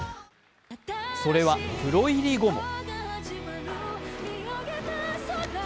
それはプロ入り後も。